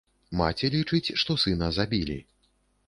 Маці лічыць, што сына забілі.